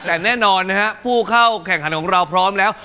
แต่แน่นอนนะฮะผู้เข้าแข่งขันของเราพร้อมแล้ว